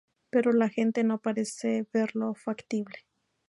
Pero la gente no parece verlo factible.